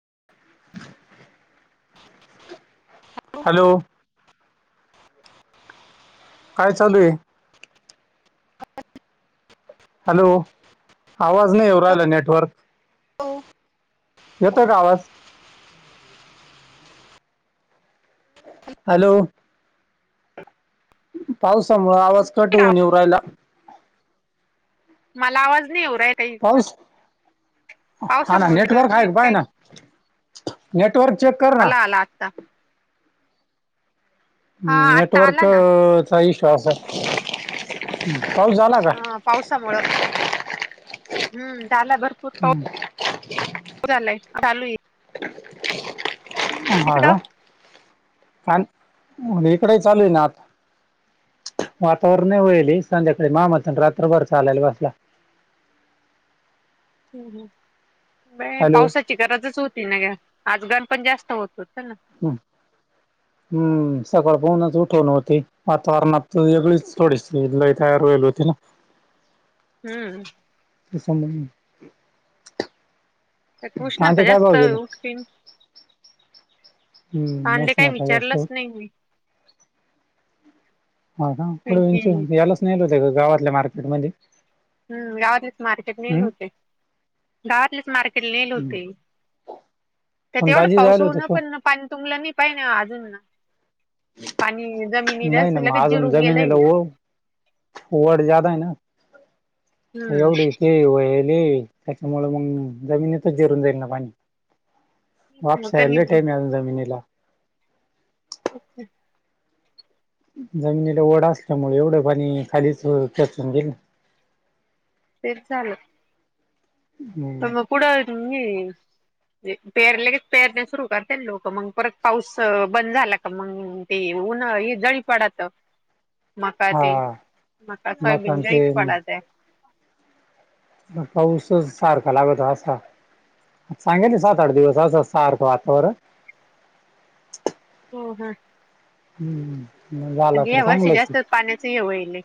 [inaudible] Hello काय चालू आहे. हॅलो आवाज नई येऊ नाही राहिला नेटवर्क लो येतोय का आवाज हॅलो पावसामुळे आवाज कट होऊन येऊ राहिला. मला आवाज नाही येऊ राहिलाय पाऊस हा ना नेटवर्क आहे. नाही काही पायना नेटवर्क चेक कर ना? आला आला आता हा हम्म आता आला ना नेटवर्कचा इश्यू असल. हा पावसामुळे हम्म. झालाय भरपूर पाऊस झालाय चालू आहे. ह तिकडं का [unintelligible] काल इकडेही चालू आहे. ना आता. वातावरण लई वयल हे संध्याकाळी माझ्या मताने रात्रभर चालायला बसला. [inaudible] ह् ह ब बई हॅलो पावसाची गरजच होती. ना ग आज गरम पण जास्त होत. ना हम् हम्म सबळ. म्हणून उठवून होती. वातावरणात व वेगळीच थोडीशी लय तयार होईल होती. ना. हम्म ते समजलं. त्यात उष्णता आते काय जास्त भाव गेले हे? उठकीन हम्म कांदे मोस काही नाथ जास्त विचारलंच नाही मी [unintelligible] हो का कारण की पडवीन यालाच नियल होते. ग गावातल्या मार्केट मध्ये. हम्म गावातलीच मार्केट इल होते. गावातलेच मार्केट येल हम्म. होते. त्यात पण तेवढं दाजी पाऊस जायला होते होऊन पण पाणी तुमल नाही पाहिना अजून? पाणी नाही जमिनीतच जिरून गेलाय. ववड जादाय ना हम्म एवढ के हो. ले त्याच्यामुळे मग जमिनीतच जेरून जाईल ना पाणी. मग वापस त्यांनी हलेट आहे, म अजून जमिनीला. अच्छा. जमिनीला ओढा असल्यामुळे एवढं पाणी खालीच खेचून घेईन. ते झालं. हम्म तम कडाी [unintelligible] पेरले केच पेरणे सुरू करते लोक मग परत पाऊस बंद अ झाला का मग ते. उन्हाळा इदळी पडत. ह [inaudible] मका ते म सोयबीन आणि जायच पडा ते. मका पाऊसच सारखा लागत असा. सांगेल सात आठ दिवस असं स अर्थ वातावरण. हो ह. हम्मम. अन या वर्षी जास्त पाण्याच हे वईलय.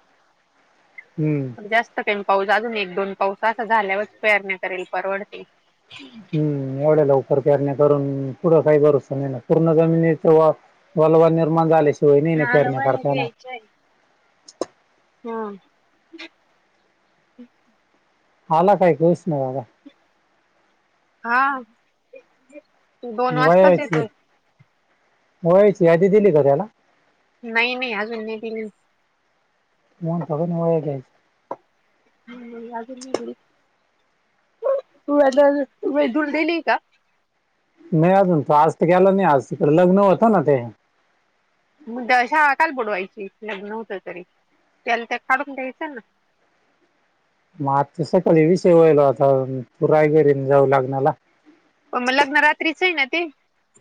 हम्म जास्त काही पाऊस अजून एक दोन पाऊस असा झाल्यावरच पेरण्या करायला परवडते. हम्म एवढ्या लवकर पेरण्या करून पुढं काही भरोसा नाही ना पूर्ण जमिनीचा वा वलवाल निर्माण झाल्याशिवाय नणे मला पेरण्या वह्या करता येनार. ह आला काय कूच ना बाबा. हा दोन वाजताच येतोय. होयच. नाही नाही अजून नाही दिली नाय. मन तघ व गेच. हम्म या बर [unintelligible] तू आता तुही [unintelligible] धूून देली का नाही अजून तो आज तर गला नाही आज तिकड लग्न होतं ना ते. मु अशा काल बुडवायची लग्न होत, तरी त्याला त्या काढून द्यायचं ना. [inaudible] मग आजच सकाळी विषय व्हायला आता तू रायगरीन जाऊ लग्नाला. पण मग लग्न रात्रीच हाय ना ते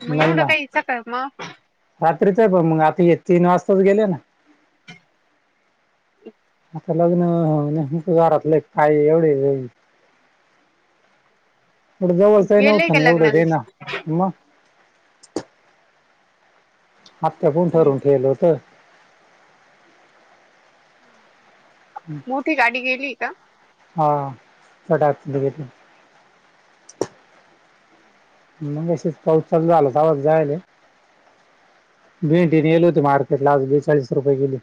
मग एवढं काय सकाळ म रात्रीचं हाय ब मग आता हि तीन वाजताचं गेले ना. [inaudible] आता लग्न घरातलं [unintelligible] येवढ जवळच गेलेय नव्हतं का ना एवढंच हे ना लग्नाला म. हप्त्यापून ठरून ठेवलं होत. मोठी गाडी गेली का? हा [unintelligible] मगाशीच पाऊस चालू झाला [unintelligible] भेंडी नेली होती मार्केटला आज बेचाळीस रुपये गेली.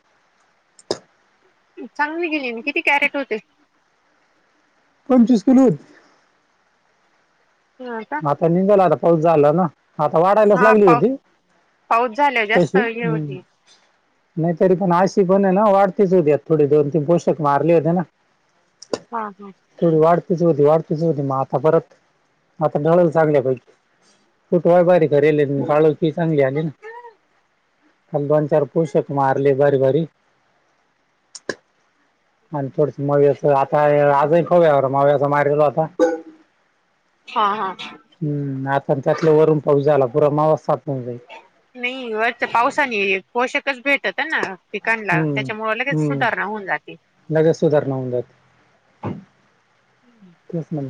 चांगली गेली आणि किती कॅरेट होते. पंचवीस किलो होती. ह का आता निघालो आता पाऊस झाला ना आता वाढायलाचं हा लागलीय पाऊ ती. पाऊस झाल्यावर जास्त तशी हे हम्म होती नाइ तरी पण अशी पण हाय ना वाढ [unintelligible] थोडे दोन तीन पोषक मारले होते ना. हा हा. [unintelligible] तुझं होती म आता परत आता नळल चांगल्या पैकी [unintelligible] ती चांगली आली ना आणि दोन चार पुषक मारले बर बारी आणि थोडीसं मवी [unintelligible] होव्यावर [unintelligible] मारलेला होता. हा हा. हम्म आता त्यातल वरून पाऊस झाला पुरा माला साप नाइ वरच्या पावसाने पोषकच भेटत ना. पिकांला हम्म त्याच्यामुळं लगेच हम्म सुधारणा होऊन जाते. लगेच सुधारणा होऊन जाते तेच म्हण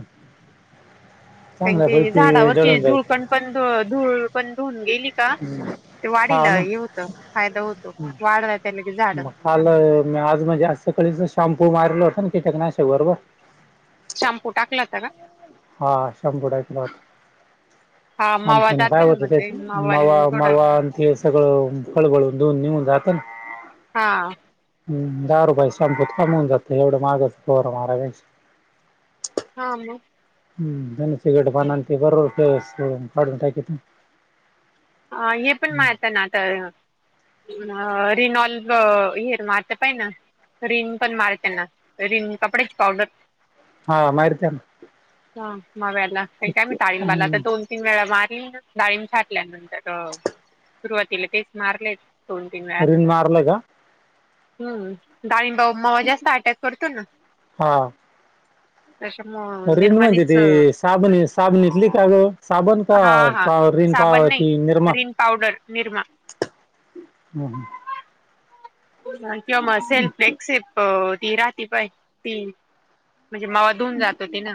कारण की पैकी झाडावरची जळून जाईल धुळकण पण धुळपण धुवून गेली का? ते हा वाढिला ना हे होतं फायदा होतो वाढला त्यानं की झाड [unintelligible] शाम्पू मारलं होत ना कीटकनाशक बरोबर शाम्पू टाकला होता का? हा [unintelligible] [inaudible] [unintelligible] जातो ना मग ते मावा थोडं ते सगळं खळबळून धून ने हुन घात [inaudible] हा आ. हम्म दारूबाई संपत [unintelligible] हा मग हम्म [unintelligible] आ हे पण हम्म. मारताय ना आता रीनॉल हे मारता [unintelligible] रिन पण मार त्यांना रिन कपड्याची पावडर हा मारत्याना हं मव्याना काय मी ताळिंबाला तर दोन तीन वेळा मारली ना डाळीम छाटल्यानंत तर सुरुवातीला तेच मारलेत. दोन तीन वेळा रिण मारलं का? हम्म डाळिंबा वर मवा जास्त अटॅक करतो ना. त्याच्यामुळे रीण म्हणजे निरमाणीच ती साबण साबणीली का गं साबण का पाव रीण पाव ती निरमा रिंण पावडर निरमा. हम्म, हम्म. [unintelligible] म्हण सेल्फेशिप अं ती राहती पाय ती म्हणजे मावा धून जातो तेन.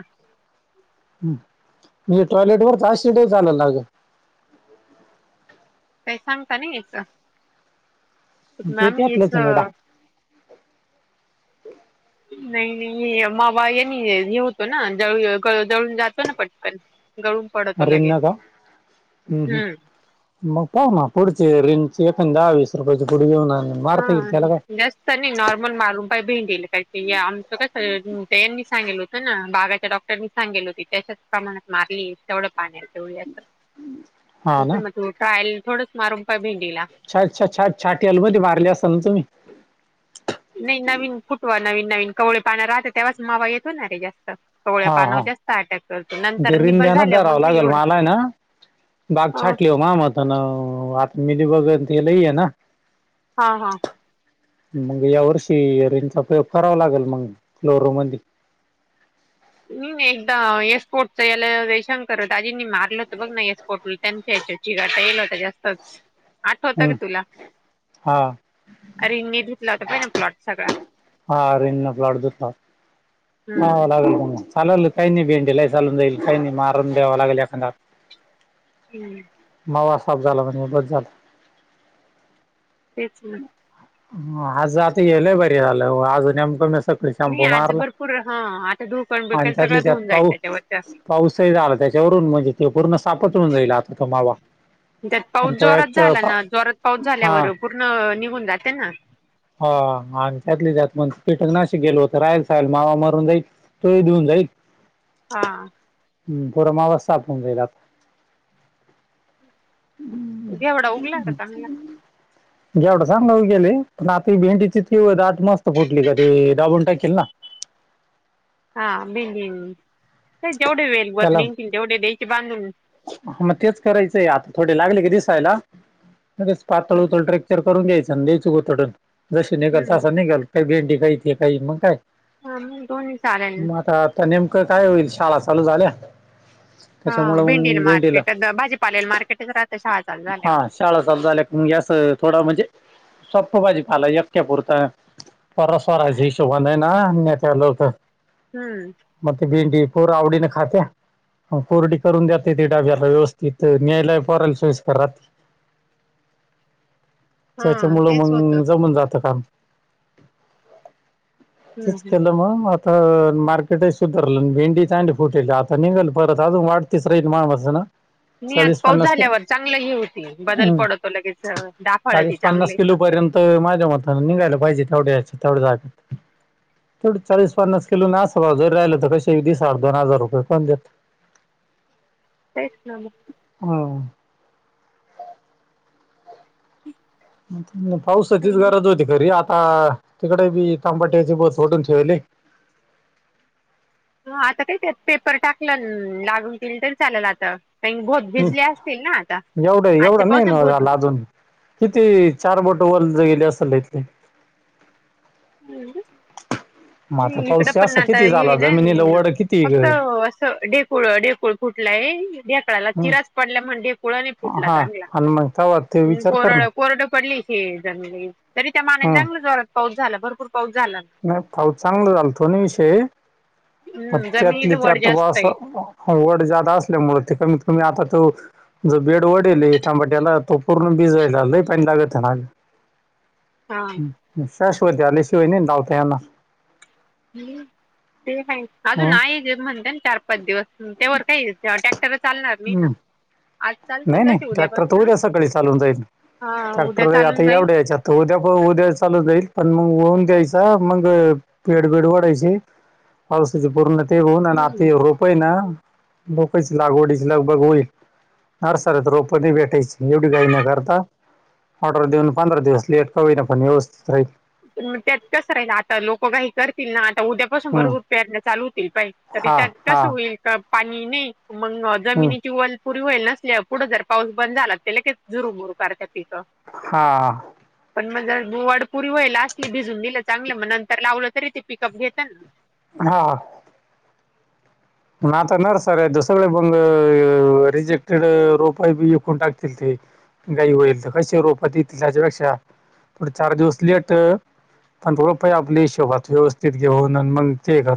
हम्म. म्हणजे टॉयलेट वरचं असुदे [unintelligible] काही सांगता ना याच. ते नाही म याच. त्यातलंच आहे ना नाही नाही मावा आहे हे होतो ना जळ जळून जातो ना पटपन रीण नका ह् ह् हम्म मग पाव ना पुडचे रण स पं दहाीस रुपयेची पुडी घेऊणार. हा जास्तनी नॉर्मल मारून पाय भें दिले. आमचं कास मी सांगल होत ना बागाच्या डॉक्टर मी सांगेल होती त्याशाच प्रमाणात मारली तेवढ पाण्या तेव हा ना मग त ट्रायल थोडच मारून प भंग छात छ छात छाटी अलमी मारले असता ना तुम्ही नाही नवीन फुटवा नवीन नवीन कवळे पाण्या राहते तेव्हाच मावा येतो ना रे जास्त पवळ्या पाना जास्त अटॅक. करतो नंतर निबर जरींद्यान झाल्यावर दरावं मग नाही लागेल एवढं मलाय ना. अ बागछाटली हो मा आमत ना आ मनी बगन लई येे ना. हा हा. मग या वर्षी ररेंचा कराव लागेल मग फ्लोरू म [inaudible] नाही एकदा येसपोर्टचा याला जयशंकर हो आजींनी मारलं होत बघ ना ए स्पोर्ट त्यांच्या चची गाता येईल होता जास्तच आठवत हम्म का तुला हा रिंनणी धुतला होता पाहि ना प्लॉट सगळा. हा रिंग न प्लाट दत हा हम्म लागल. ला ल काही नाही भें ल सल काही नाही मारून देवालागेल ऎकदा हम्म. मावा साफ झाला म्हणजे बस झालं. तेच ना. आज आता गेलय बरी झालं आज नेमकं नसत. स नाही शमपू आज मारला. भरपूर हा आता धुळकण आणि बिळकण सगळं त्यातले त्यात धुऊन जाईल पाऊ त्याच्यावरच्या पाऊसही झाला त्या त्याच्यावरून म्हणजे तो पूर्ण सापहूण जाईल आता तो मावा त्यात पाऊस आणि तो एक जोरात तर झाला ना जोरात पाऊस हा झाल्यावर पूर्ण निघून जाते ना. हा आणि त्यातल्या त्यात म्हण पीठक नाशिक गेलो होत राहेल साहे ल मावा मरून जाईल तो ही देऊन जा. का? हा. हम् पुरा मावा साफ होऊन जाईन आता घेवडा उगला का चांगला जेवढं चांगलं होऊ गेले. पण आता भेंडीची केवलआज मस्त घोटली की दाबून टाकेल न. हा बिल देईन जेवढे होतील वर तेवढे द्यायचे बांधून हा मग तेच करायचंय आता थोडे लागले की दिसायला म्हगेच पातळ उतळ ट्रॅक्चर करून घ्यायचं. द्या चु उोतडून जशी निघाल हम्म तसा निघाल काही भेंडी काहीथे काही मग काय? हा मग दोन्ही चालेल ना. मग आता आता नेमकं काय होईल. शाळा चालू झाल्या हा त्याच्या मूळ मग भेंडीला भेंडीला मार्केट भाजी पाले मार्केट आहे का घरात. हा शाळा चालू झाल्या या स असं थोड म्हणजे सप्प भाजी पाला एकट्या पुरता परस्वराची हिशो ब आहे ना त्या लो तर हम्म म भिंडी येईल. पोर आवडीने खात्या कोरडी करून दाते ते डाब्याला व्यवस्थित न्यायालय पोरांना. तर रात्री त्याच्या हा मुळ तेच होतं मंग जमून जात काम हम्म तेच हम्म. केलं मग आज. तर मार्केटच सुधारलं भेंडी चांडी फुटेली आता निघाल परत अजून वाटतीसरा मा वर्षला नाही आज चाळीस पाऊस पन्नास का? झाल्यावर चांगलं हे होती बदल हम् पडतो लगेच दाफळ ती चाळीस पन्नास चांगली किलो पर्यंत माझ्या मतान निघायला पाहिजे. पाहिजे तेवढ्या यायच तेवढं जागत. तेथोडं चाळीस पन्नास किलो ना अस भाऊ जरी राहिलं तर कसे दिस ह दोन हजार रुपये पण देत ह तेसला ना पावसाचीच मग गरज होती खरी आ अ तिकडे बी तांबाट्याची बस फटून ठेवली ह आता काही त्यात पेपर टाकलं लागून गेल तरी चालेल आता कार बोुत भिजली असतील ना आता एवढं आजच्या एवढं नाही पावसन न बोतू झाला अजून किती चार बोट वल गेले असेल ना इथले हम् मग आता हम् इकडं पाऊस पण असा आता किती झाला ये ना जमिनीला वड किती फक्त हम्म असं डेकूळ डेकूळ फूटल आहे ढकडला चिराच पडल्या म्हण कुळाने फुटला हा चांगला आणि मग तेव्हा ते ह विचार कर कोरड ना कोरडं पडली हे ज तरी त्या मानाने हम्म चांगला जोरात पाऊस झाला भरपूर पाऊस झाला ना चांगल झालं तो नाही विषय प हम्म त्यातले जमिनीला वर त्यात जास्त आहे असवड जादा असल्यामु ते कमीत कमी आता तो जो बेड वढडेलथांबाट्याला तो पूर्ण बिजयला आय पाणी लागत झाडाले शाश्वती आल्याशिवाय नाही लावता येणार हम्म तेय अग हो नाही ते म्हणत्यान चार पाच दिवस त्यावर काही टॅक्टर चालवायला मिळत हम्म. नाही नाही ट्रॅक्टर तर उद्या सकाळी चालून जाईल हा उद्या ट्रॅक्टर आता चालून जाईल एवढ्या याच्यात उद्या उद्या चालू जाईल पण मग होऊन द्यायचा मग पेडबेड वाढायचे पावसाची पूर्ण ते होऊन आणि आता हम्म हे रोपयेना लोकांची लागवडीची लगभग होईल हार सर तर रोप भेटायची एवढी काही न करता ऑर्डर देऊन पंधरा दिवस लेट का होईनापण व्यस्थित राही पण मग त्यात कस राहिल आता लोक काही करतील ना उद्यापासून हम्म. भरपूर पेरण्या चालू होतील पाहि तर हा त्यात हा कसं होईल पाणी नाही मग हम्म. जमिनीची वल पुरी होईल नसल्या पुढं जर पाऊस बंद झाला त्याला काय जुरु बुरू करतात हा पण मग दु वाडपूर [unintelligible] असली भिजून दिल चांगलं मग नंतर लावलं तरी ते पिकअप घेत ना हा नाता नरसऱ्या तर सगळ्या बंद य रिजेक्टेड रोप बी विकून टाकतील ते घाई होईल तर कसे रोपात येतील त्याच्यापेक्षा थोड चार दिवस लेट पण रोप आपली हिशोबात व्यवस्थित घेऊन मग ते कर